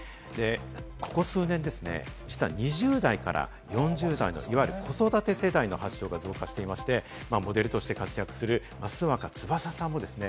ここ数年ですね、実は２０代から４０代のいわゆる子育て世代の発症が増加していまして、モデルとして活躍する、益若つばささんもですね